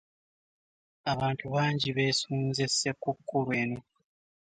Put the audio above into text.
Abantu bangi beesunze Ssekukkulu eno.